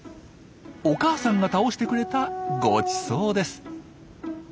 お母さんが倒してくれたごちそうです。